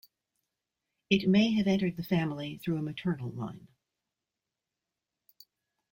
It may have entered the family through a maternal line.